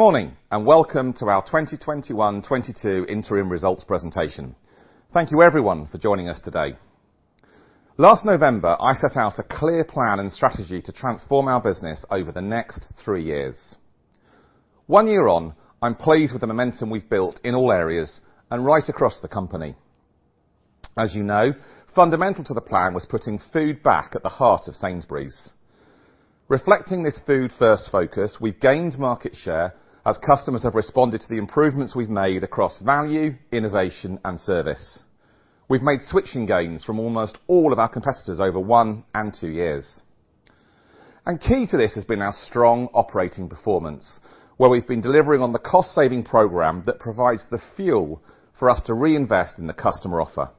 Good morning and welcome to our 2021 to 2022 interim results presentation. Thank you everyone for joining us today. Last November, I set out a clear plan and strategy to transform our business over the next 3 years. 1 year on, I'm pleased with the momentum we've built in all areas and right across the company. As you know, fundamental to the plan was putting food back at the heart of Sainsbury's. Reflecting this Food 1st focus, we've gained market share as customers have responded to the improvements we've made across value, innovation, and service. We've made switching gains from almost all of our competitors over 1 and 2 years. Key to this has been our strong operating performance, where we've been delivering on the cost-saving program that provides the fuel for us to reinvest in the customer offer.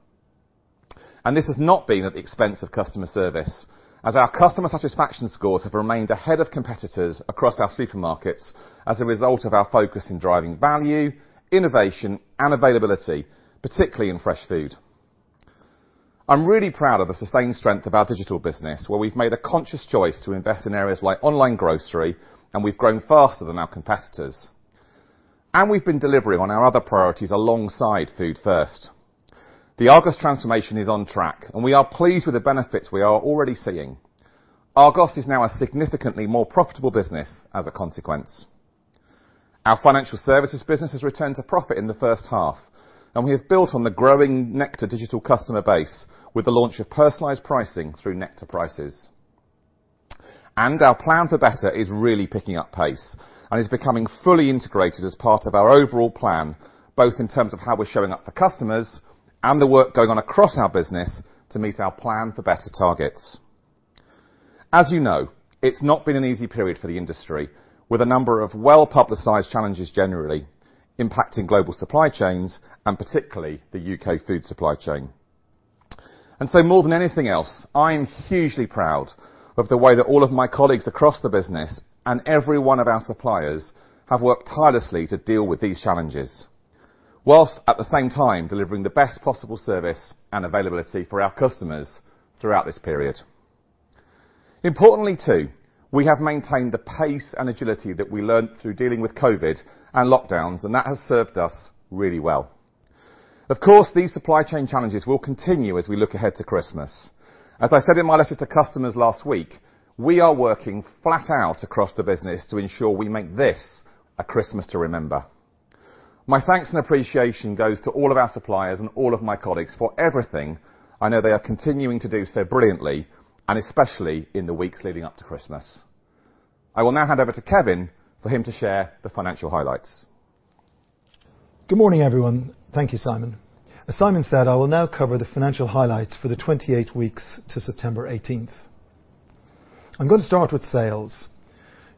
This has not been at the expense of customer service, as our customer satisfaction scores have remained ahead of competitors across our supermarkets as a result of our focus in driving value, innovation, and availability, particularly in fresh food. I'm really proud of the sustained strength of our digital business, where we've made a conscious choice to invest in areas like online grocery, and we've grown faster than our competitors. We've been delivering on our other priorities alongside Food 1st. The Argos transformation is on track, and we are pleased with the benefits we are already seeing. Argos is now a significantly more profitable business as a consequence. Our financial services business has returned to profit in the first half, and we have built on the growing Nectar digital customer base with the launch of personalized pricing through Nectar Prices. Our plan for Better is really picking up pace and is becoming fully integrated as part of our overall plan, both in terms of how we're showing up for customers and the work going on across our business to meet our plan for Better targets. As you know, it's not been an easy period for the industry, with a number of well-publicized challenges generally impacting global supply chains and particularly the U.K. food supply chain. More than anything else, I am hugely proud of the way that all of my colleagues across the business and everyone of our suppliers have worked tirelessly to deal with these challenges, whilst at the same time delivering the best possible service and availability for our customers throughout this period. Importantly, too, we have maintained the pace and agility that we learned through dealing with COVID and lockdowns, and that has served us really well. Of course, these supply chain challenges will continue as we look ahead to Christmas. As I said in my letter to customers last week, we are working flat out across the business to ensure we make this a Christmas to remember. My thanks and appreciation goes to all of our suppliers and all of my colleagues for everything I know they are continuing to do so brilliantly, and especially in the weeks leading up to Christmas. I will now hand over to Kevin for him to share the financial highlights. Good morning, everyone. Thank you, Simon. As Simon said, I will now cover the financial highlights for the 28 weeks to September 18. I'm going to start with sales.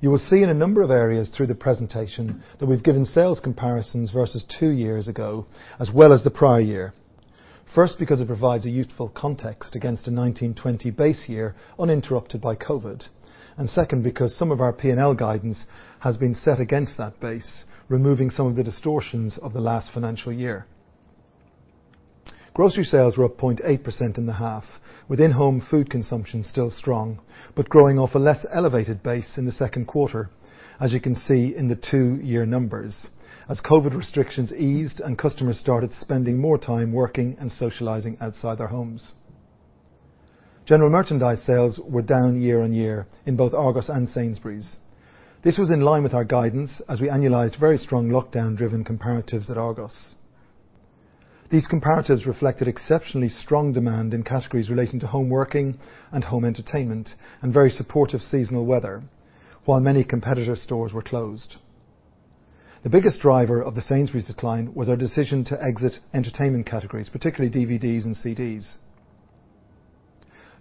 You will see in a number of areas through the presentation that we've given sales comparisons versus 2 years ago as well as the prior year. 1st, because it provides a useful context against the 2019 to 20 base year uninterrupted by COVID. 2nd, because some of our P&L guidance has been set against that base, removing some of the distortions of the last financial year. Grocery sales were up 0.8% in the half, with in-home food consumption still strong, but growing off a less elevated base in the Q2, as you can see in the 2-year numbers, as COVID restrictions eased and customers started spending more time working and socializing outside their homes. General merchandise sales were down year-on-year in both Argos and Sainsbury's. This was in line with our guidance as we annualized very strong lockdown-driven comparatives at Argos. These comparatives reflected exceptionally strong demand in categories relating to home working and home entertainment and very supportive seasonal weather while many competitor stores were closed. The biggest driver of the Sainsbury's decline was our decision to exit entertainment categories, particularly DVDs and CDs.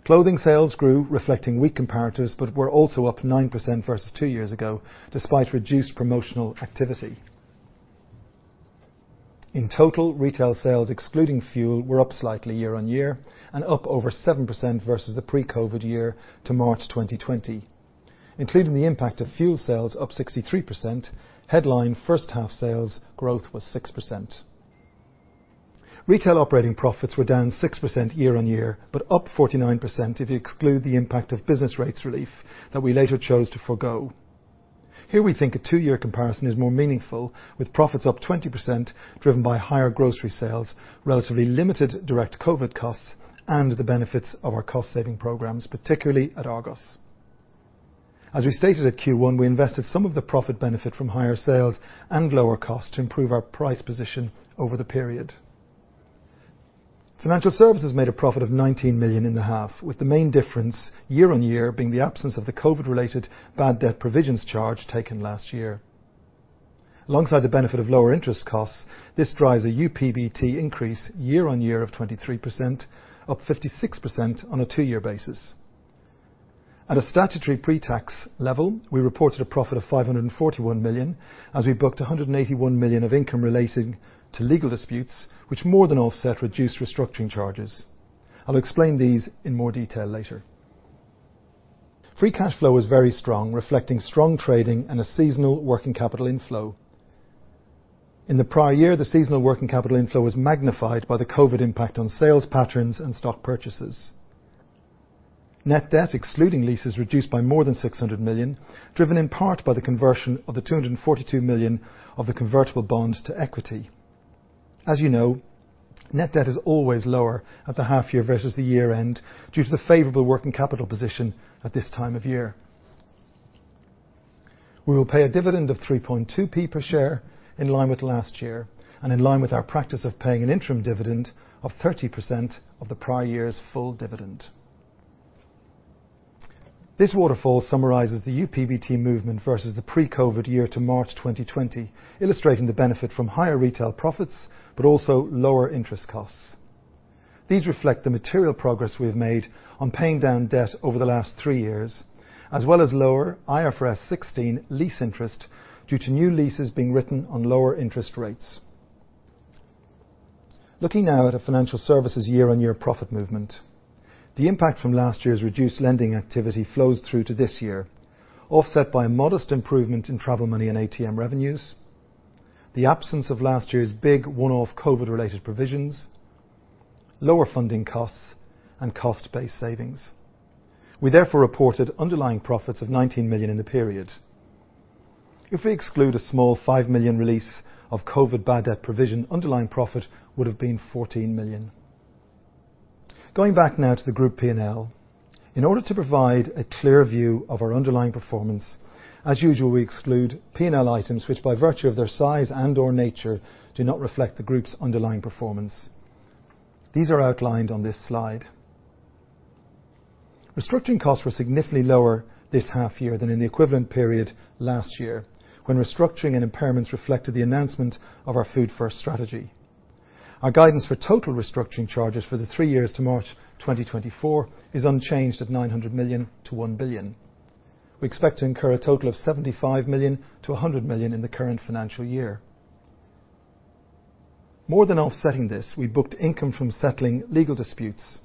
Clothing sales grew reflecting weak comparatives but were also up 9% versus 2 years ago despite reduced promotional activity. In total, retail sales excluding fuel were up slightly year-on-year and up over 7% versus the pre-COVID year to March 2020. Including the impact of fuel sales up 63%, headline H1 sales growth was 6%. Retail operating profits were down 6% year-on-year, but up 49% if you exclude the impact of business rates relief that we later chose to forgo. Here, we think a 2-year comparison is more meaningful, with profits up 20%, driven by higher grocery sales, relatively limited direct COVID costs, and the benefits of our cost-saving programs, particularly at Argos. As we stated at Q1, we invested some of the profit benefit from higher sales and lower costs to improve our price position over the period. Financial services made a profit of 19 million in the half, with the main difference year-on-year being the absence of the COVID-related bad debt provisions charge taken last year. Alongside the benefit of lower interest costs, this drives a UPBT increase year-on-year of 23%, up 56% on a 2-year basis. At a statutory pre-tax level, we reported a profit of 541 million as we booked 181 million of income relating to legal disputes, which more than offset reduced restructuring charges. I'll explain these in more detail later. Free cash flow is very strong, reflecting strong trading and a seasonal working capital inflow. In the prior year, the seasonal working capital inflow was magnified by the COVID impact on sales patterns and stock purchases. Net debt excluding leases reduced by more than 600 million, driven in part by the conversion of 242 million of the convertible bond to equity. As you know, net debt is always lower at the half year versus the year-end due to the favorable working capital position at this time of year. We will pay a dividend of 3.2p per share in line with last year and in line with our practice of paying an interim dividend of 30% of the prior year's full dividend. This waterfall summarizes the UPBT movement versus the pre-COVID year to March 2020, illustrating the benefit from higher retail profits but also lower interest costs. These reflect the material progress we have made on paying down debt over the last 3 years, as well as lower IFRS 16 lease interest due to new leases being written on lower interest rates. Looking now at a financial services year-on-year profit movement. The impact from last year's reduced lending activity flows through to this year, offset by a modest improvement in travel money and ATM revenues, the absence of last year's big one-off COVID related provisions, lower funding costs and cost-based savings. We therefore reported underlying profits of 19 million in the period. If we exclude a small 5 million release of COVID bad debt provision, underlying profit would have been 14 million. Going back now to the group P&L. In order to provide a clear view of our underlying performance, as usual, we exclude P&L items which, by virtue of their size and/or nature, do not reflect the group's underlying performance. These are outlined on this slide. Restructuring costs were significantly lower this half year than in the equivalent period last year when restructuring and impairments reflected the announcement of our Food 1st strategy. Our guidance for total restructuring charges for the 3 years to March 2024 is unchanged at 900 million-1 billion. We expect to incur a total of 75 million-100 million in the current financial year. More than offsetting this, we booked income from settling legal disputes,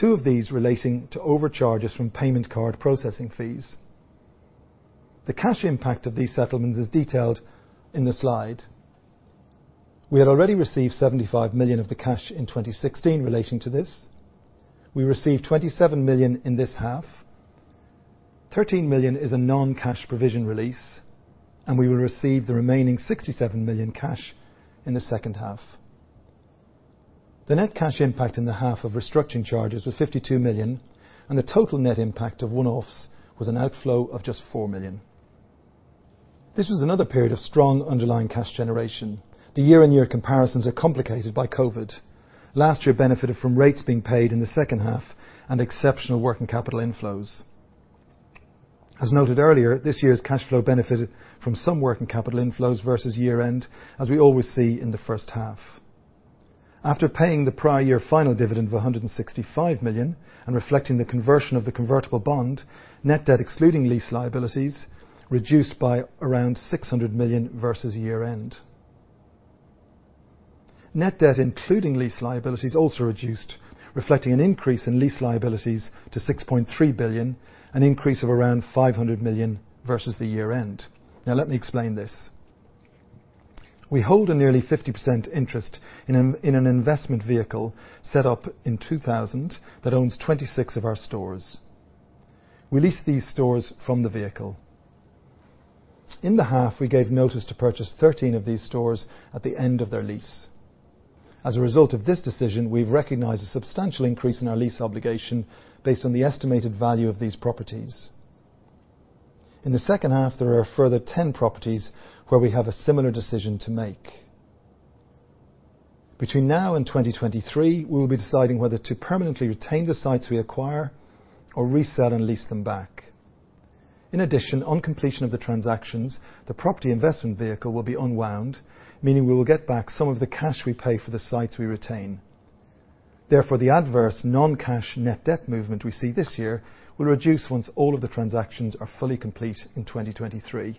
2 of these relating to overcharges from payment card processing fees. The cash impact of these settlements is detailed in the slide. We had already received 75 million of the cash in 2016 relating to this. We received 27 million in this half. 13 million is a non-cash provision release, and we will receive the remaining 67 million cash in the second half. The net cash impact in the half of restructuring charges was 52 million, and the total net impact of one-offs was an outflow of just 4 million. This was another period of strong underlying cash generation. The year-on-year comparisons are complicated by COVID. Last year benefited from rates being paid in the second half and exceptional working capital inflows. As noted earlier, this year's cash flow benefited from some working capital inflows versus year end, as we always see in the H1. After paying the prior year final dividend of 165 million and reflecting the conversion of the convertible bond, net debt excluding lease liabilities reduced by around 600 million versus year end. Net debt, including lease liabilities, also reduced, reflecting an increase in lease liabilities to 6.3 billion, an increase of around 500 million versus the year end. Now let me explain this. We hold a nearly 50% interest in an investment vehicle set up in 2000 that owns 26 of our stores. We lease these stores from the vehicle. In the half, we gave notice to purchase 13 of these stores at the end of their lease. As a result of this decision, we've recognized a substantial increase in our lease obligation based on the estimated value of these properties. In the H2, there are a further 10 properties where we have a similar decision to make. Between now and 2023, we will be deciding whether to permanently retain the sites we acquire or resell and lease them back. In addition, on completion of the transactions, the property investment vehicle will be unwound, meaning we will get back some of the cash we pay for the sites we retain. Therefore, the adverse non-cash net debt movement we see this year will reduce once all of the transactions are fully complete in 2023.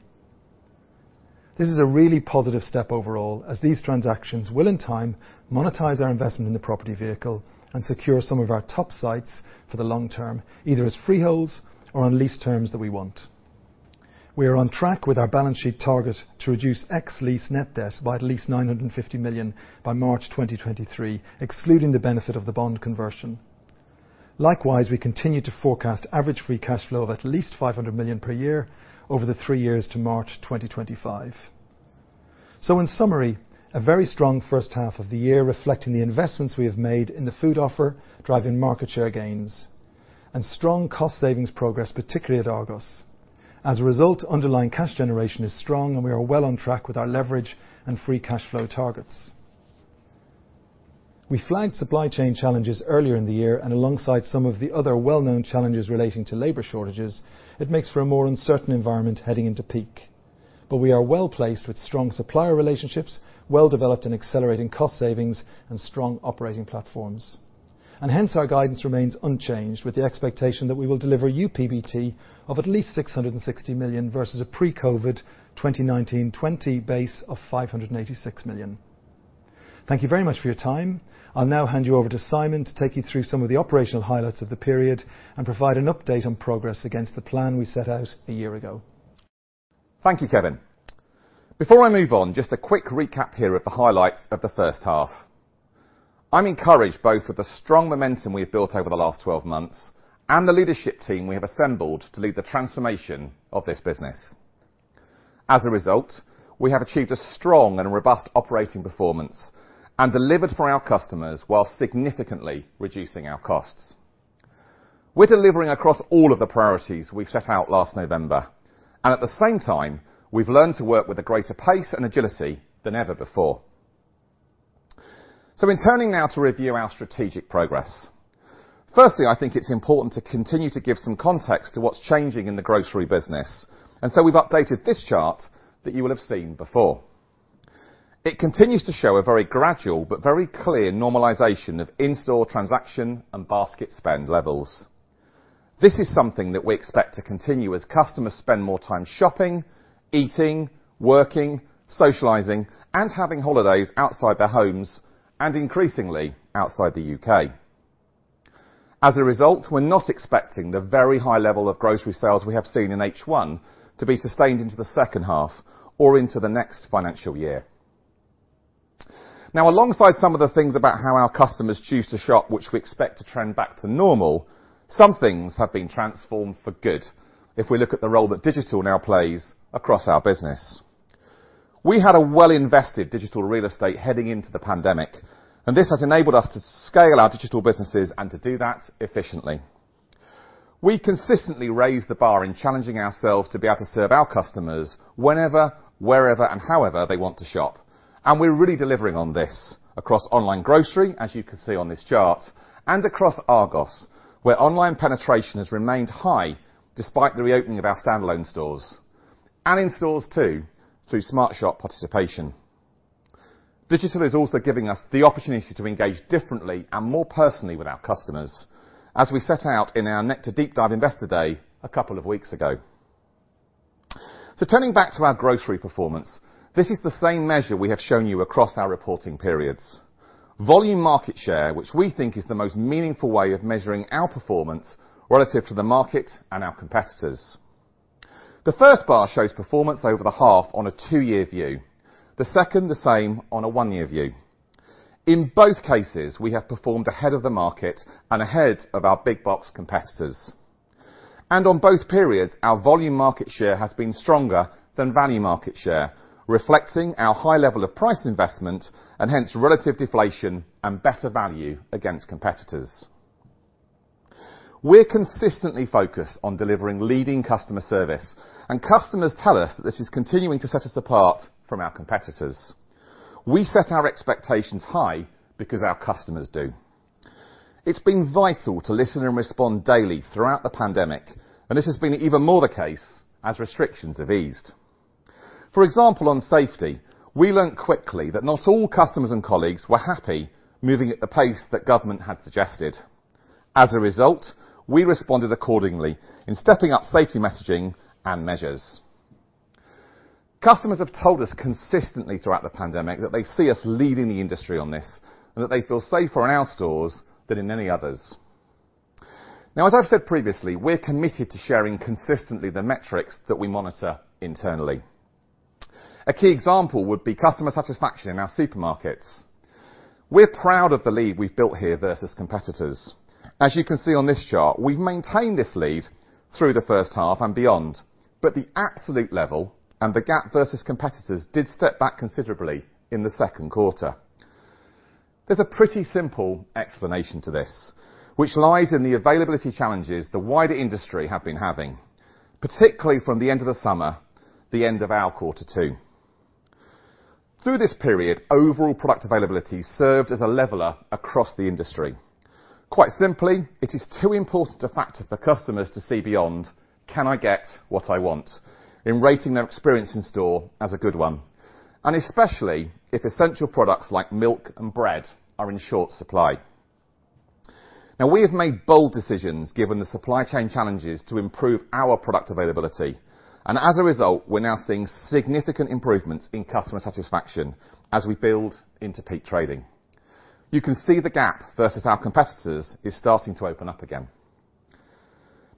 This is a really positive step overall as these transactions will in time monetize our investment in the property vehicle and secure some of our top sites for the long term, either as freeholds or on lease terms that we want. We are on track with our balance sheet target to reduce ex-lease net debt by at least 950 million by March 2023, excluding the benefit of the bond conversion. Likewise, we continue to forecast average free cash flow of at least 500 million per year over the 3 years to March 2025. In summary, a very strong H1 of the year reflecting the investments we have made in the food offer, driving market share gains and strong cost savings progress, particularly at Argos. As a result, underlying cash generation is strong and we are well on track with our leverage and free cash flow targets. We flagged supply chain challenges earlier in the year and alongside some of the other well-known challenges relating to labor shortages, it makes for a more uncertain environment heading into peak. We are well-placed with strong supplier relationships, well developed and accelerating cost savings, and strong operating platforms. Hence our guidance remains unchanged with the expectation that we will deliver UPBT of at least 660 million versus a pre-COVID 2019 to 20 base of 586 million. Thank you very much for your time. I'll now hand you over to Simon to take you through some of the operational highlights of the period and provide an update on progress against the plan we set out a year ago. Thank you, Kevin. Before I move on, just a quick recap here of the highlights of the first half. I'm encouraged both with the strong momentum we've built over the last 12 months and the leadership team we have assembled to lead the transformation of this business. As a result, we have achieved a strong and robust operating performance and delivered for our customers while significantly reducing our costs. We're delivering across all of the priorities we've set out last November. At the same time, we've learned to work with a greater pace and agility than ever before. In turning now to review our strategic progress, firstly, I think it's important to continue to give some context to what's changing in the grocery business, and so we've updated this chart that you will have seen before. It continues to show a very gradual but very clear normalization of in-store transaction and basket spend levels. This is something that we expect to continue as customers spend more time shopping, eating, working, socializing, and having holidays outside their homes, and increasingly, outside the U.K. As a result, we're not expecting the very high level of grocery sales we have seen in H1 to be sustained into the second half or into the next financial year. Now alongside some of the things about how our customers choose to shop, which we expect to trend back to normal, some things have been transformed for good if we look at the role that digital now plays across our business. We had a well-invested digital real estate heading into the pandemic, and this has enabled us to scale our digital businesses and to do that efficiently. We consistently raised the bar in challenging ourselves to be able to serve our customers whenever, wherever, and however they want to shop, and we're really delivering on this across online grocery, as you can see on this chart, and across Argos, where online penetration has remained high despite the reopening of our standalone stores, and in stores too through SmartShop participation. Digital is also giving us the opportunity to engage differently and more personally with our customers, as we set out in our Nectar Deep Dive Investor Day a couple of weeks ago. Turning back to our grocery performance, this is the same measure we have shown you across our reporting periods. Volume market share, which we think is the most meaningful way of measuring our performance relative to the market and our competitors. The first bar shows performance over the half on a two-year view. The 2nd, the same on a 1-year view. In both cases, we have performed ahead of the market and ahead of our big box competitors. On both periods, our volume market share has been stronger than value market share, reflecting our high level of price investment and hence relative deflation and better value against competitors. We're consistently focused on delivering leading customer service, and customers tell us that this is continuing to set us apart from our competitors. We set our expectations high because our customers do. It's been vital to listen and respond daily throughout the pandemic, and this has been even more the case as restrictions have eased. For example, on safety, we learned quickly that not all customers and colleagues were happy moving at the pace that government had suggested. As a result, we responded accordingly in stepping up safety messaging and measures. Customers have told us consistently throughout the pandemic that they see us leading the industry on this and that they feel safer in our stores than in any others. Now, as I've said previously, we're committed to sharing consistently the metrics that we monitor internally. A key example would be customer satisfaction in our supermarkets. We're proud of the lead we've built here versus competitors. As you can see on this chart, we've maintained this lead through the H1 and beyond, but the absolute level and the gap versus competitors did step back considerably in the Q2. There's a pretty simple explanation to this, which lies in the availability challenges the wider industry have been having, particularly from the end of the summer, the end of our quarter 2. Through this period, overall product availability served as a leveler across the industry. Quite simply, it is too important a factor for customers to see beyond, can I get what I want, in rating their experience in store as a good one, and especially if essential products like milk and bread are in short supply. Now we have made bold decisions given the supply chain challenges to improve our product availability. As a result, we're now seeing significant improvements in customer satisfaction as we build into peak trading. You can see the gap versus our competitors is starting to open up again.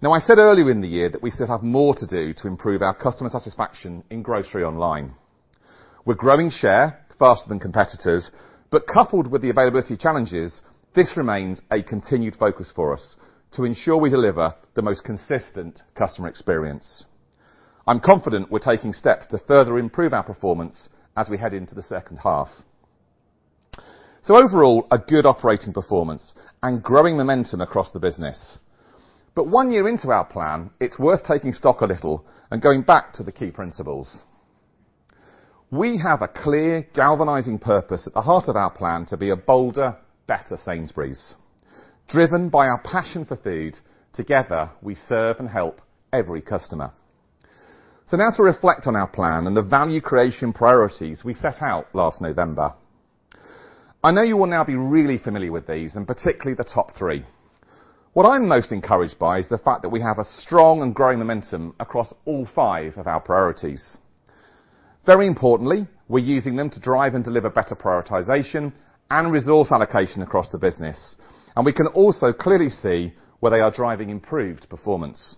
Now I said earlier in the year that we still have more to do to improve our customer satisfaction in grocery online. We're growing share faster than competitors, but coupled with the availability challenges, this remains a continued focus for us to ensure we deliver the most consistent customer experience. I'm confident we're taking steps to further improve our performance as we head into the second half. Overall, a good operating performance and growing momentum across the business. 1 year into our plan, it's worth taking stock a little and going back to the key principles. We have a clear galvanizing purpose at the heart of our plan to be a bolder, better Sainsbury's. Driven by our passion for food, together, we serve and help every customer. Now to reflect on our plan and the value creation priorities we set out last November. I know you will now be really familiar with these and particularly the top 3. What I'm most encouraged by is the fact that we have a strong and growing momentum across all five of our priorities. Very importantly, we're using them to drive and deliver better prioritization and resource allocation across the business, and we can also clearly see where they are driving improved performance.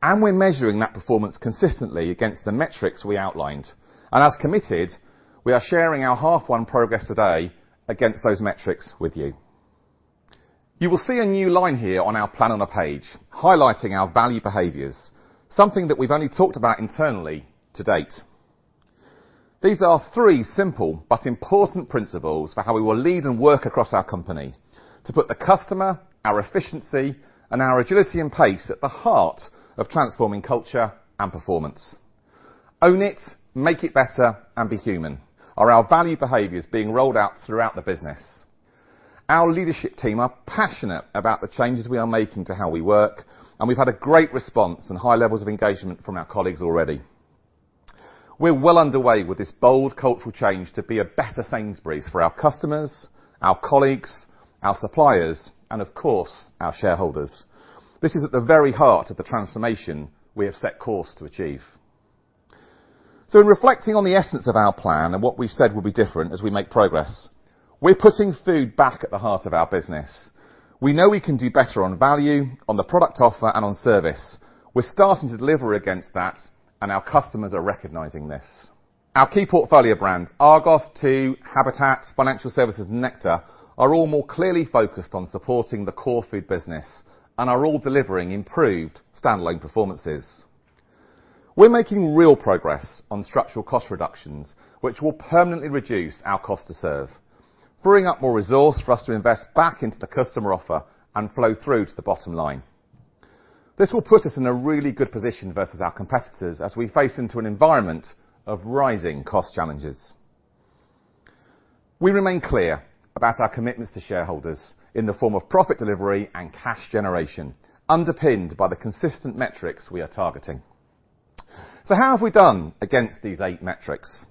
We're measuring that performance consistently against the metrics we outlined. As committed, we are sharing our H1 progress today against those metrics with you. You will see a new line here on our plan on the page highlighting our value behaviors, something that we've only talked about internally to date. These are 3 simple but important principles for how we will lead and work across our company to put the customer, our efficiency, and our agility and pace at the heart of transforming culture and performance. Own it, make it better, and be human are our value behaviors being rolled out throughout the business. Our leadership team are passionate about the changes we are making to how we work, and we've had a great response and high levels of engagement from our colleagues already. We're well underway with this bold cultural change to be a better Sainsbury's for our customers, our colleagues, our suppliers, and of course, our shareholders. This is at the very heart of the transformation we have set course to achieve. In reflecting on the essence of our plan and what we said will be different as we make progress, we're putting food back at the heart of our business. We know we can do better on value, on the product offer, and on service. We're starting to deliver against that, and our customers are recognizing this. Our key portfolio brands, Argos, to Habitat, Financial Services, Nectar, are all more clearly focused on supporting the core food business and are all delivering improved standalone performances. We're making real progress on structural cost reductions, which will permanently reduce our cost to serve, bringing up more resource for us to invest back into the customer offer and flow through to the bottom line. This will put us in a really good position versus our competitors as we face into an environment of rising cost challenges. We remain clear about our commitments to shareholders in the form of profit delivery and cash generation, underpinned by the consistent metrics we are targeting. How have we done against these eight metrics?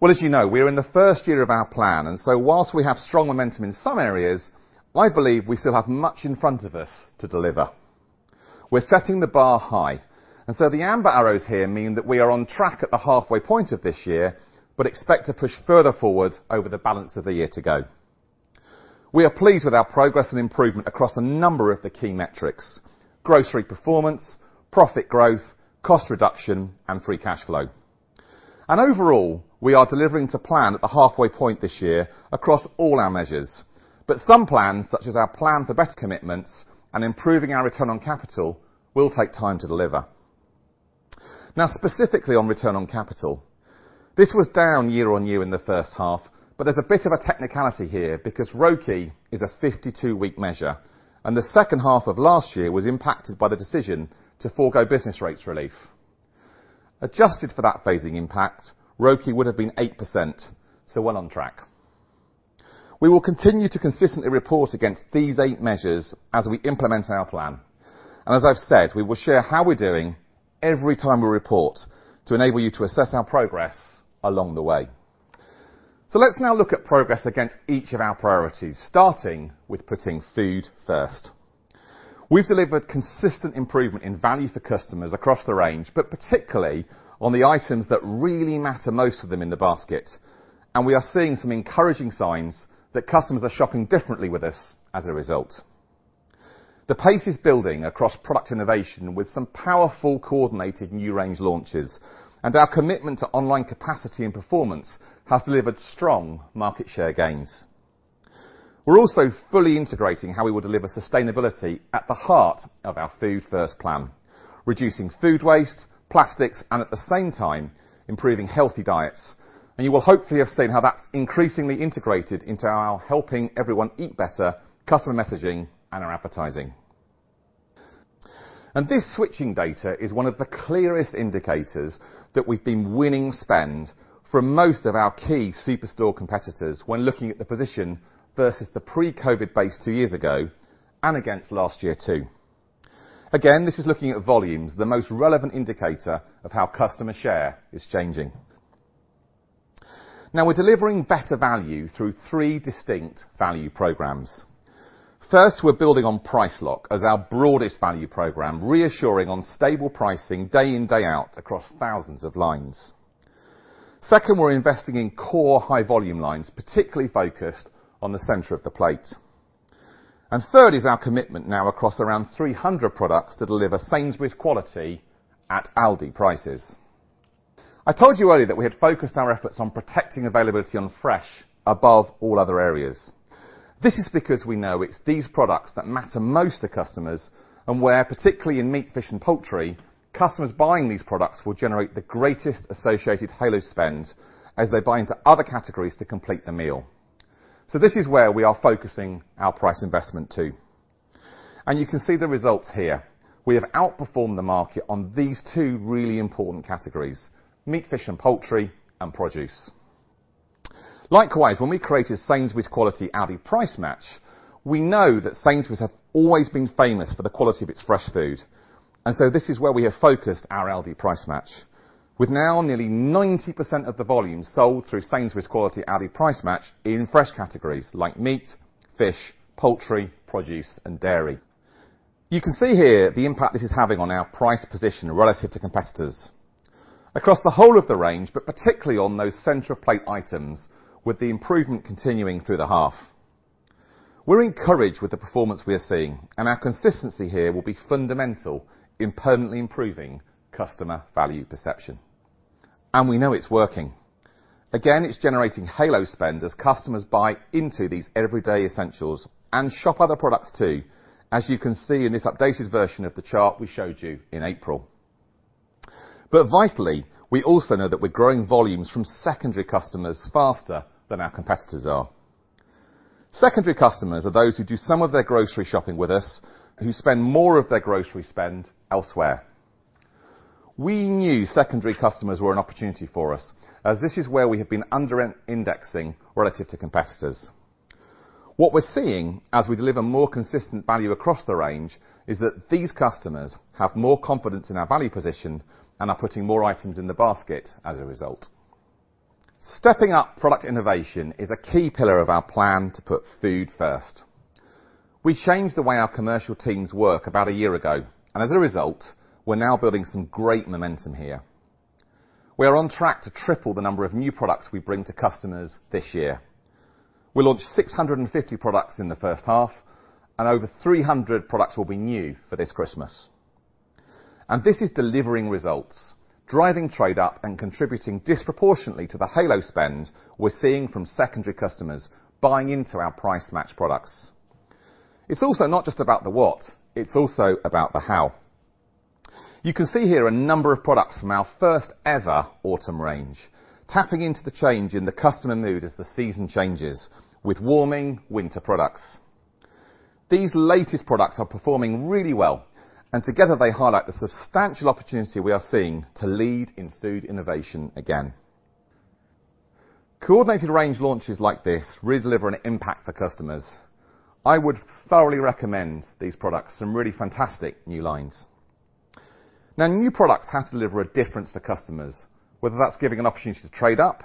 Well, as you know, we're in the 1st year of our plan, and so whilst we have strong momentum in some areas, I believe we still have much in front of us to deliver. We're setting the bar high, and so the amber arrows here mean that we are on track at the halfway point of this year, but expect to push further forward over the balance of the year to go. We are pleased with our progress and improvement across a number of the key metrics, grocery performance, profit growth, cost reduction, and free cash flow. Overall, we are delivering to plan at the halfway point this year across all our measures. Some plans, such as our plan for better commitments and improving our return on capital, will take time to deliver. Now, specifically on return on capital, this was down year on year in the H1, but there's a bit of a technicality here because ROCE is a 52-week measure, and the H2 of last year was impacted by the decision to forgo business rates relief. Adjusted for that phasing impact, ROCE would have been 8%, so well on track. We will continue to consistently report against these 8 measures as we implement our plan. As I've said, we will share how we're doing every time we report to enable you to assess our progress along the way. Let's now look at progress against each of our priorities, starting with putting Food First. We've delivered consistent improvement in value for customers across the range, but particularly on the items that really matter most to them in the basket. We are seeing some encouraging signs that customers are shopping differently with us as a result. The pace is building across product innovation with some powerful, coordinated new range launches, and our commitment to online capacity and performance has delivered strong market share gains. We're also fully integrating how we will deliver sustainability at the heart of our Food First plan, reducing food waste, plastics, and at the same time, improving healthy diets. You will hopefully have seen how that's increasingly integrated into our helping everyone eat better customer messaging and our advertising. This switching data is one of the clearest indicators that we've been winning spend from most of our key superstore competitors when looking at the position versus the pre-COVID base 2 years ago and against last year too. Again, this is looking at volumes, the most relevant indicator of how customer share is changing. Now we're delivering better value through 3 distinct value programs. 1st, we're building on Price Lock as our broadest value program, reassuring on stable pricing day in, day out across thousands of lines. 2nd, we're investing in core high volume lines, particularly focused on the center of the plate. 3rd is our commitment now across around 300 products to deliver Sainsbury's quality at Aldi prices. I told you earlier that we had focused our efforts on protecting availability on fresh above all other areas. This is because we know it's these products that matter most to customers and where, particularly in meat, fish, and poultry, customers buying these products will generate the greatest associated halo spend as they buy into other categories to complete the meal. This is where we are focusing our price investment too. You can see the results here. We have outperformed the market on these 2 really important categories, meat, fish, and poultry, and produce. Likewise, when we created Sainsbury's Quality, Aldi Price Match, we know that Sainsbury's have always been famous for the quality of its fresh food. This is where we have focused our Aldi Price Match, with now nearly 90% of the volume sold through Sainsbury's Quality, Aldi Price Match in fresh categories like meat, fish, poultry, produce, and dairy. You can see here the impact this is having on our price position relative to competitors. Across the whole of the range, but particularly on those center plate items, with the improvement continuing through the half. We're encouraged with the performance we are seeing, and our consistency here will be fundamental in permanently improving customer value perception. We know it's working. Again, it's generating halo spend as customers buy into these everyday essentials and shop other products too, as you can see in this updated version of the chart we showed you in April. Vitally, we also know that we're growing volumes from secondary customers faster than our competitors are. Secondary customers are those who do some of their grocery shopping with us, who spend more of their grocery spend elsewhere. We knew secondary customers were an opportunity for us, as this is where we have been under indexing relative to competitors. What we're seeing as we deliver more consistent value across the range is that these customers have more confidence in our value position and are putting more items in the basket as a result. Stepping up product innovation is a key pillar of our plan to put Food First. We changed the way our commercial teams work about a year ago, and as a result, we're now building some great momentum here. We are on track to triple the number of new products we bring to customers this year. We launched 650 products in the H1, and over 300 products will be new for this Christmas. This is delivering results, driving trade up and contributing disproportionately to the halo spend we're seeing from secondary customers buying into our Price Match products. It's also not just about the what, it's also about the how. You can see here a number of products from our first ever autumn range, tapping into the change in the customer mood as the season changes with warming winter products. These latest products are performing really well, and together they highlight the substantial opportunity we are seeing to lead in food innovation again. Coordinated range launches like this really deliver an impact for customers. I would thoroughly recommend these products, some really fantastic new lines. Now, new products have to deliver a difference to customers, whether that's giving an opportunity to trade up,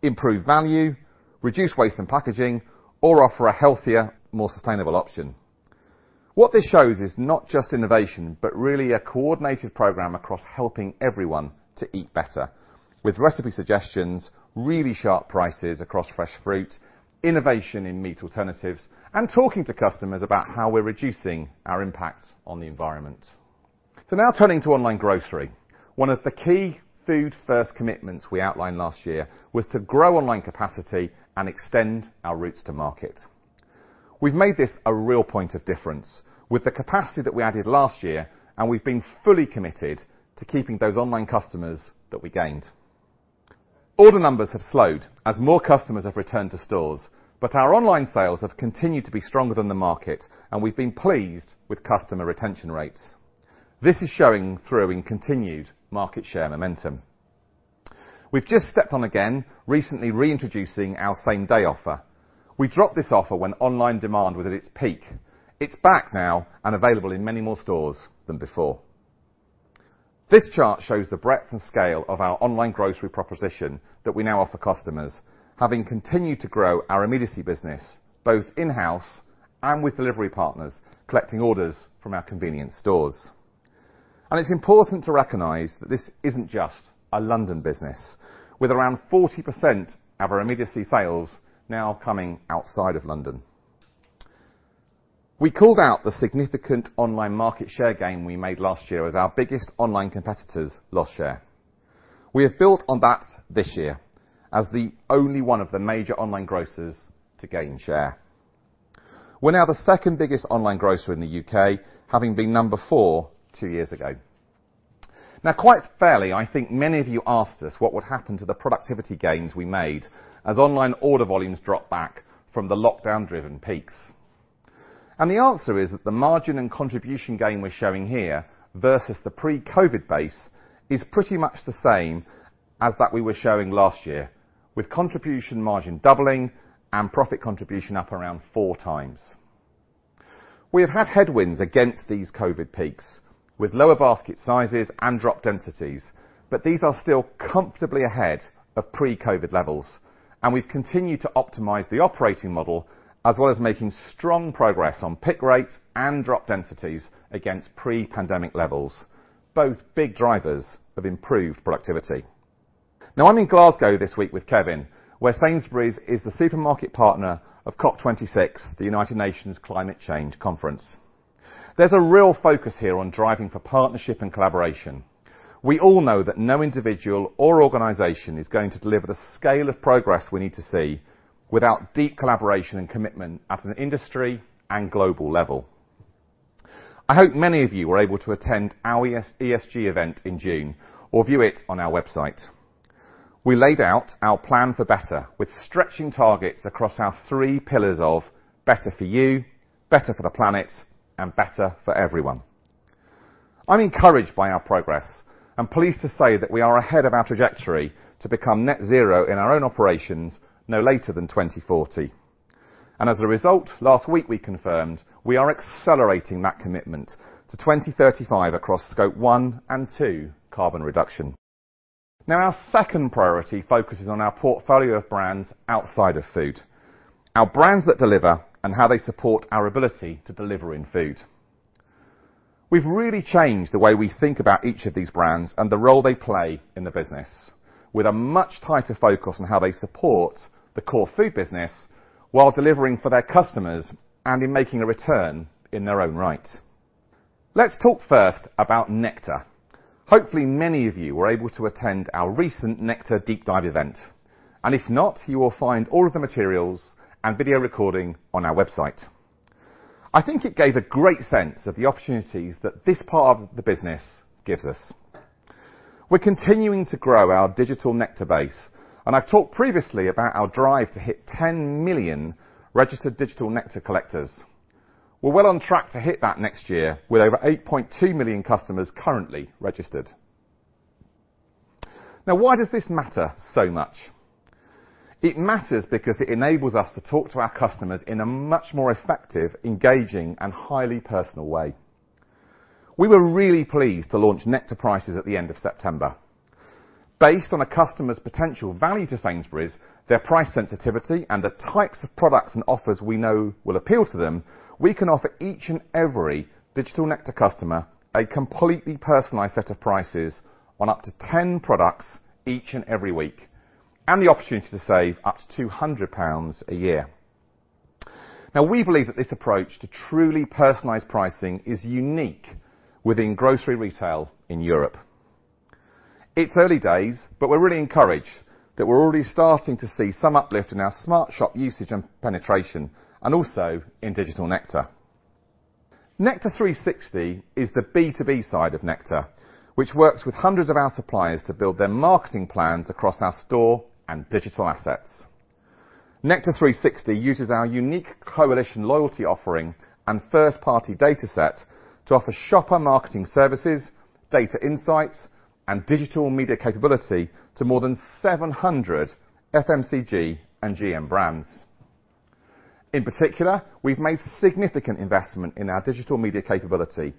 improve value, reduce waste and packaging, or offer a healthier, more sustainable option. What this shows is not just innovation, but really a coordinated program across helping everyone to eat better with recipe suggestions, really sharp prices across fresh fruit, innovation in meat alternatives, and talking to customers about how we're reducing our impact on the environment. Now turning to online grocery. One of the key Food First commitments we outlined last year was to grow online capacity and extend our routes to market. We've made this a real point of difference with the capacity that we added last year, and we've been fully committed to keeping those online customers that we gained. Order numbers have slowed as more customers have returned to stores, but our online sales have continued to be stronger than the market, and we've been pleased with customer retention rates. This is showing through in continued market share momentum. We've just stepped up again, recently reintroducing our same-day offer. We dropped this offer when online demand was at its peak. It's back now and available in many more stores than before. This chart shows the breadth and scale of our online grocery proposition that we now offer customers, having continued to grow our immediacy business, both in-house and with delivery partners, collecting orders from our convenience stores. It's important to recognize that this isn't just a London business, with around 40% of our immediacy sales now coming outside of London. We called out the significant online market share gain we made last year as our biggest online competitors lost share. We have built on that this year as the only one of the major online grocers to gain share. We're now the 2nd-biggest online grocer in the U.K., having been number 4, 2 years ago. Now, quite fairly, I think many of you asked us what would happen to the productivity gains we made as online order volumes dropped back from the lockdown-driven peaks. The answer is that the margin and contribution gain we're showing here versus the pre-COVID base is pretty much the same as that we were showing last year, with contribution margin doubling and profit contribution up around four times. We have had headwinds against these COVID peaks with lower basket sizes and drop densities, but these are still comfortably ahead of pre-COVID levels, and we've continued to optimize the operating model, as well as making strong progress on pick rates and drop densities against pre-pandemic levels, both big drivers of improved productivity. Now, I'm in Glasgow this week with Kevin, where Sainsbury's is the supermarket partner of COP26, the United Nations Climate Change Conference. There's a real focus here on driving for partnership and collaboration. We all know that no individual or organization is going to deliver the scale of progress we need to see without deep collaboration and commitment at an industry and global level. I hope many of you were able to attend our ESG event in June or view it on our website. We laid out our plan for better with stretching targets across our 3 pillars of better for you, better for the planet, and better for everyone. I'm encouraged by our progress and pleased to say that we are ahead of our trajectory to become net zero in our own operations no later than 2040. As a result, last week we confirmed we are accelerating that commitment to 2035 across Scope 1 and 2 carbon reduction. Now our 2nd priority focuses on our portfolio of brands outside of food. Our brands that deliver and how they support our ability to deliver in food. We've really changed the way we think about each of these brands and the role they play in the business with a much tighter focus on how they support the core food business while delivering for their customers and in making a return in their own right. Let's talk 1st about Nectar. Hopefully, many of you were able to attend our recent Nectar Deep Dive event, and if not, you will find all of the materials and video recording on our website. I think it gave a great sense of the opportunities that this part of the business gives us. We're continuing to grow our digital Nectar base, and I've talked previously about our drive to hit 10 million registered digital Nectar collectors. We're well on track to hit that next year with over 8.2 million customers currently registered. Now why does this matter so much? It matters because it enables us to talk to our customers in a much more effective, engaging, and highly personal way. We were really pleased to launch Nectar Prices at the end of September. Based on a customer's potential value to Sainsbury's, their price sensitivity, and the types of products and offers we know will appeal to them, we can offer each and every digital Nectar customer a completely personalized set of prices on up to 10 products each and every week, and the opportunity to save up to 200 pounds a year. Now, we believe that this approach to truly personalized pricing is unique within grocery retail in Europe. It's early days, but we're really encouraged that we're already starting to see some uplift in our SmartShop usage and penetration and also in digital Nectar. Nectar 360 is the B2B side of Nectar, which works with hundreds of our suppliers to build their marketing plans across our store and digital assets. Nectar 360 uses our unique coalition loyalty offering and first-party data set to offer shopper marketing services, data insights, and digital media capability to more than 700 FMCG and GM brands. In particular, we've made significant investment in our digital media capability,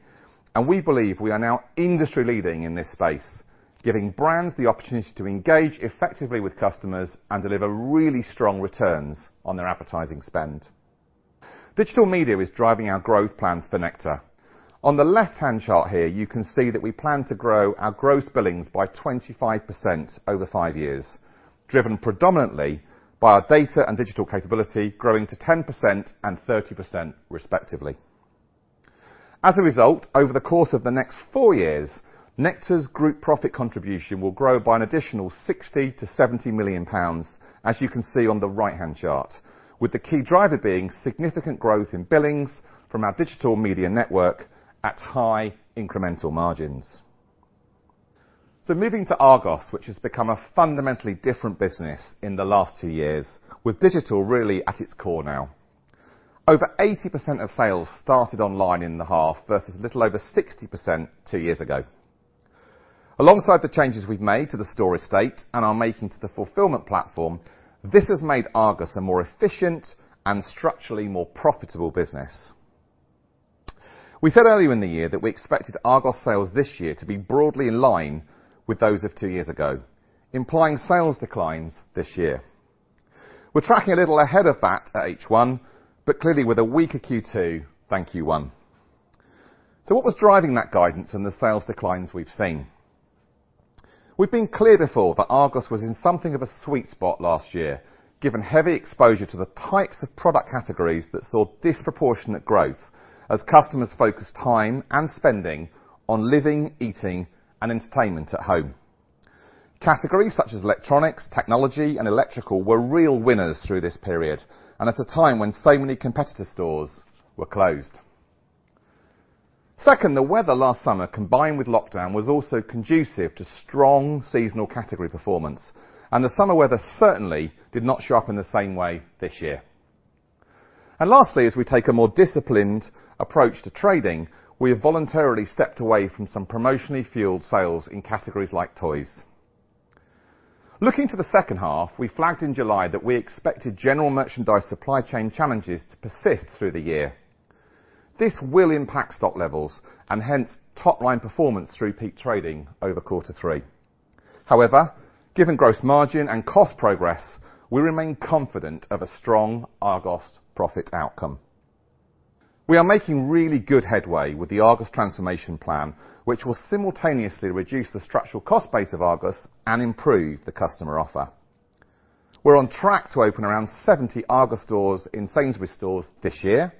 and we believe we are now industry-leading in this space, giving brands the opportunity to engage effectively with customers and deliver really strong returns on their advertising spend. Digital media is driving our growth plans for Nectar. On the left-hand chart here, you can see that we plan to grow our gross billings by 25% over five years, driven predominantly by our data and digital capability growing to 10% and 30% respectively. As a result, over the course of the next 4 years, Nectar’s group profit contribution will grow by an additional 60 million-70 million pounds, as you can see on the right-hand chart, with the key driver being significant growth in billings from our digital media network at high incremental margins. Moving to Argos, which has become a fundamentally different business in the last 2 years with digital really at its core now. Over 80% of sales started online in the half versus little over 60% 2 years ago. Alongside the changes we've made to the store estate and are making to the fulfillment platform, this has made Argos a more efficient and structurally more profitable business. We said earlier in the year that we expected Argos sales this year to be broadly in line with those of 2 years ago, implying sales declines this year. We're tracking a little ahead of that at H1, but clearly with a weaker Q2 than Q1. What was driving that guidance and the sales declines we've seen? We've been clear before that Argos was in something of a sweet spot last year, given heavy exposure to the types of product categories that saw disproportionate growth as customers focused time and spending on living, eating, and entertainment at home. Categories such as electronics, technology, and electrical were real winners through this period and at a time when so many competitor stores were closed. 2nd, the weather last summer, combined with lockdown, was also conducive to strong seasonal category performance, and the summer weather certainly did not show up in the same way this year. Lastly, as we take a more disciplined approach to trading, we have voluntarily stepped away from some promotionally fueled sales in categories like toys. Looking to the second half, we flagged in July that we expected general merchandise supply chain challenges to persist through the year. This will impact stock levels and hence top-line performance through peak trading over Q3. However, given gross margin and cost progress, we remain confident of a strong Argos profit outcome. We are making really good headway with the Argos transformation plan, which will simultaneously reduce the structural cost base of Argos and improve the customer offer. We're on track to open around 70 Argos stores in Sainsbury's stores this year,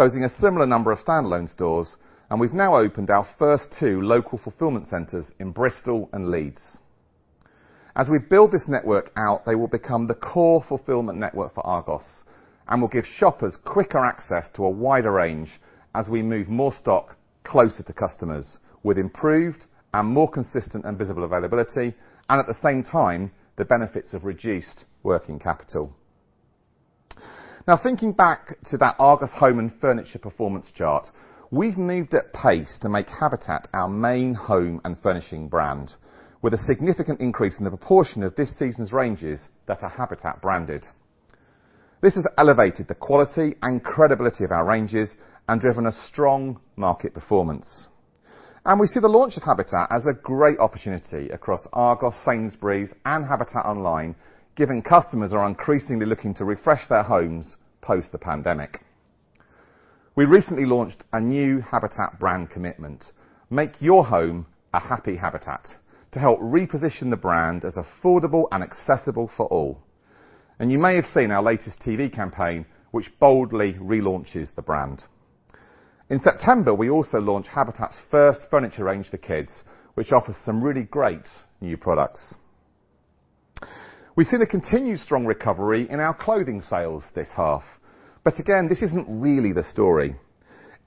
closing a similar number of standalone stores, and we've now opened our first 2 local fulfillment centers in Bristol and Leeds. As we build this network out, they will become the core fulfillment network for Argos and will give shoppers quicker access to a wider range as we move more stock closer to customers with improved and more consistent and visible availability and at the same time, the benefits of reduced working capital. Now thinking back to that Argos home and furniture performance chart, we've moved at pace to make Habitat our main home and furnishings brand with a significant increase in the proportion of this season's ranges that are Habitat branded. This has elevated the quality and credibility of our ranges and driven a strong market performance. We see the launch of Habitat as a great opportunity across Argos, Sainsbury's, and Habitat online, given customers are increasingly looking to refresh their homes post the pandemic. We recently launched a new Habitat brand commitment, Make Your Home a Happy Habitat, to help reposition the brand as affordable and accessible for all. You may have seen our latest TV campaign, which boldly relaunches the brand. In September, we also launched Habitat's 1st furniture range for kids, which offers some really great new products. We've seen a continued strong recovery in our clothing sales this half. Again, this isn't really the story.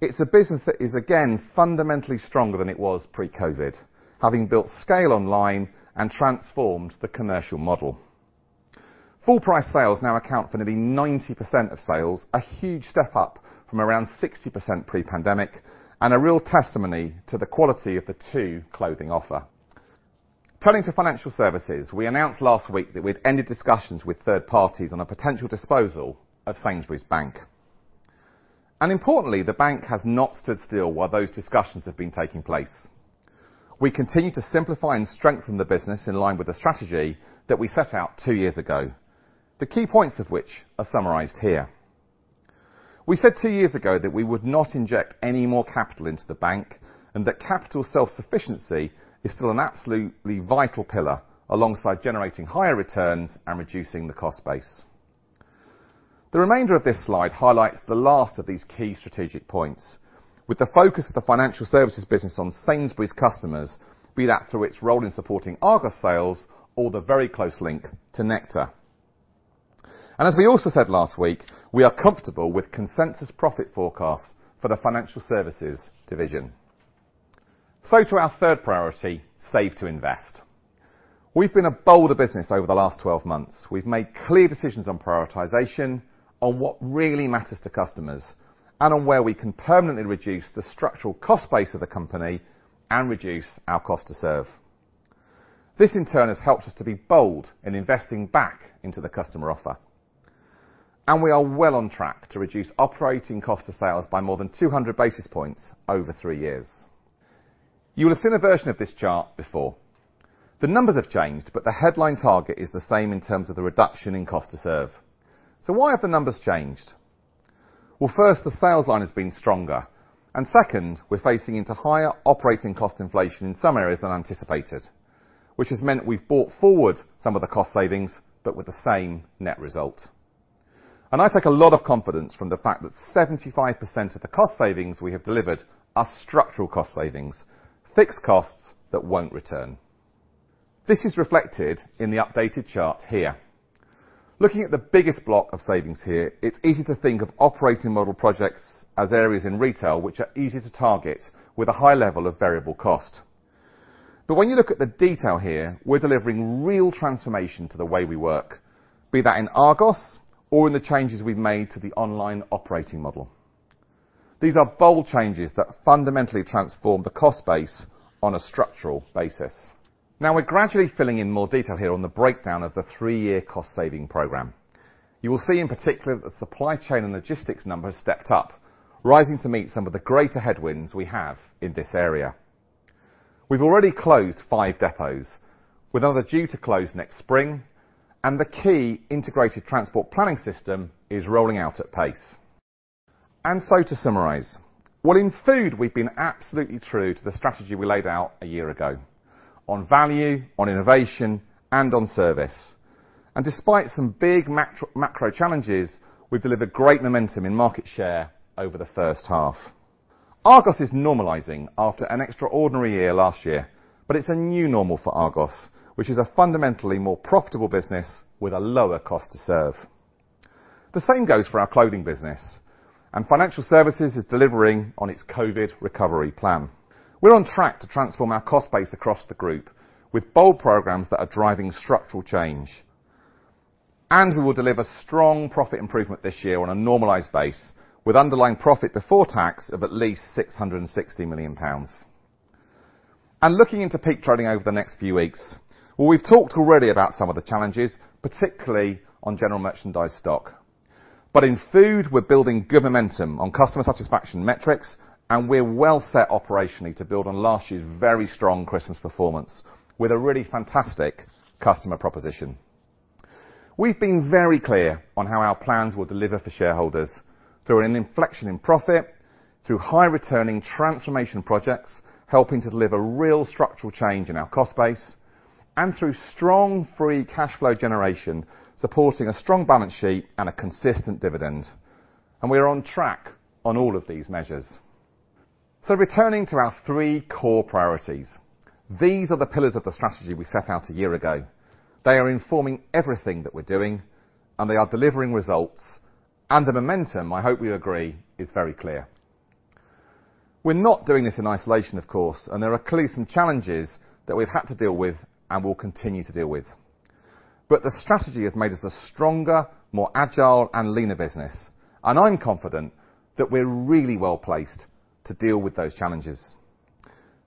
It's a business that is, again, fundamentally stronger than it was pre-COVID, having built scale online and transformed the commercial model. Full price sales now account for nearly 90% of sales, a huge step up from around 60% pre-pandemic, and a real testimony to the quality of the TU clothing offer. Turning to financial services, we announced last week that we'd ended discussions with 3rd parties on a potential disposal of Sainsbury's Bank. Importantly, the bank has not stood still while those discussions have been taking place. We continue to simplify and strengthen the business in line with the strategy that we set out 2 years ago, the key points of which are summarized here. We said 2 years ago that we would not inject any more capital into the bank, and that capital self-sufficiency is still an absolutely vital pillar alongside generating higher returns and reducing the cost base. The remainder of this slide highlights the last of these key strategic points with the focus of the financial services business on Sainsbury's customers, be that through its role in supporting Argos sales or the very close link to Nectar. As we also said last week, we are comfortable with consensus profit forecasts for the financial services division. To ourd priority, save to invest. We've been a bolder business over the last 12 months. We've made clear decisions on prioritization on what really matters to customers, and on where we can permanently reduce the structural cost base of the company and reduce our cost to serve. This in turn has helped us to be bold in investing back into the customer offer. We are well on track to reduce operating cost of sales by more than 200 basis points over 3 years. You will have seen a version of this chart before. The numbers have changed, but the headline target is the same in terms of the reduction in cost to serve. Why have the numbers changed? Well, 1st, the sales line has been stronger. 2nd, we're facing into higher operating cost inflation in some areas than anticipated, which has meant we've brought forward some of the cost savings, but with the same net result. I take a lot of confidence from the fact that 75% of the cost savings we have delivered are structural cost savings, fixed costs that won't return. This is reflected in the updated chart here. Looking at the biggest block of savings here, it's easy to think of operating model projects as areas in retail which are easy to target with a high level of variable cost. When you look at the detail here, we're delivering real transformation to the way we work, be that in Argos or in the changes we've made to the online operating model. These are bold changes that fundamentally transform the cost base on a structural basis. Now we're gradually filling in more detail here on the breakdown of the 3-year cost saving program. You will see in particular the supply chain and logistics numbers stepped up, rising to meet some of the greater headwinds we have in this area. We've already closed 5 depots with others due to close next spring, and the key integrated transport planning system is rolling out at pace. To summarize. Well, in food, we've been absolutely true to the strategy we laid out a year ago on value, on innovation, and on service. Despite some big macro challenges, we've delivered great momentum in market share over the first half. Argos is normalizing after an extraordinary year last year, but it's a new normal for Argos, which is a fundamentally more profitable business with a lower cost to serve. The same goes for our clothing business. Financial services is delivering on its COVID recovery plan. We're on track to transform our cost base across the group with bold programs that are driving structural change. We will deliver strong profit improvement this year on a normalized base with underlying profit before tax of at least 660 million pounds. Looking into peak trading over the next few weeks, well, we've talked already about some of the challenges, particularly on general merchandise stock. In food, we're building good momentum on customer satisfaction metrics, and we're well set operationally to build on last year's very strong Christmas performance with a really fantastic customer proposition. We've been very clear on how our plans will deliver for shareholders through an inflection in profit, through high returning transformation projects, helping to deliver real structural change in our cost base, and through strong free cash flow generation, supporting a strong balance sheet and a consistent dividend. We are on track on all of these measures. Returning to our 3 core priorities, these are the pillars of the strategy we set out a year ago. They are informing everything that we're doing, and they are delivering results. The momentum, I hope you agree, is very clear. We're not doing this in isolation, of course, and there are clearly some challenges that we've had to deal with and will continue to deal with. The strategy has made us a stronger, more agile and leaner business. I'm confident that we're really well-placed to deal with those challenges.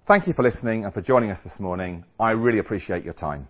Thank you for listening and for joining us this morning. I really appreciate your time.